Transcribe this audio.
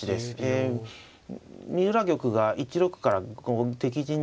え三浦玉が１六から敵陣に迫る。